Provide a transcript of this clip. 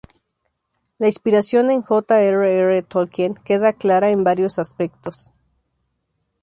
La inspiración en J. R. R. Tolkien queda clara en varios aspectos.